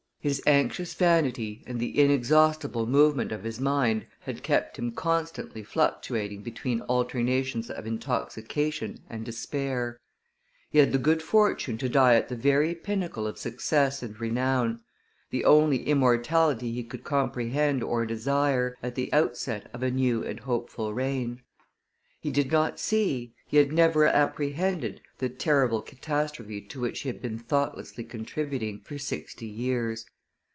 His anxious vanity and the inexhaustible movement of his mind had kept him constantly fluctuating between alternations of intoxication and despair; he had the good fortune to die at the very pinnacle of success and renown, the only immortality he could comprehend or desire, at the outset of a new and hopeful reign; he did not see, he had never apprehended the terrible catastrophe to which he had been thoughtlessly contributing for sixty years.